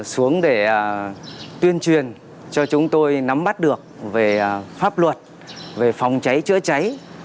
xuống để tuyên truyền cho chúng tôi nắm bắt được về pháp luật về phòng cháy chữa cháy